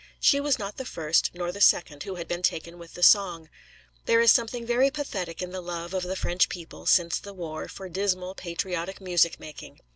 She was not the first nor the second who had been taken with the song. There is something very pathetic in the love of the French people, since the war, for dismal patriotic music making.